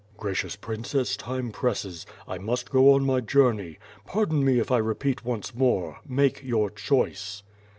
"Gracious Princess, time presses; 1 must go on my journey. Pardon me if I repeat once more: Make your choice."